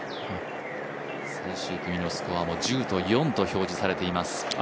最終組のスコアも、１０と４と表示されています。